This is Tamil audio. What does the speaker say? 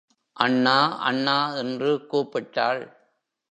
அண்ணா அண்ணா! என்று கூப்பிட்டாள்.